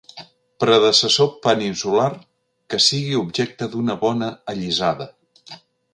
Predecessor peninsular que sigui objecte d'una bona allisada.